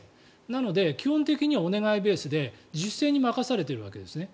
なので、基本的にはお願いベースで自主性に任されているわけですね。